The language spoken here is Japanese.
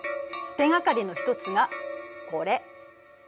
手がかりの一つがこれ。